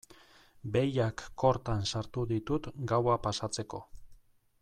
Behiak kortan sartu ditut gaua pasatzeko.